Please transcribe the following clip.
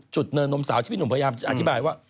เนินนมสาวที่พี่หนุ่มพยายามจะอธิบายว่า